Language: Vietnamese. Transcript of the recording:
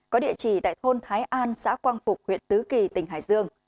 có địa chỉ tại thôn thái an xã quang phục huyện tứ kỳ tỉnh hải dương